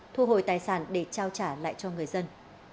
thu hồi tài sản để trao trả lại cho người dân